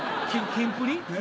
キンプリ？